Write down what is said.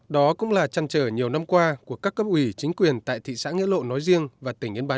đó cũng là trăn trở nhiều năm qua của các cấp ủy chính quyền tại thị xã nghĩa lộ nói riêng và tỉnh yên bái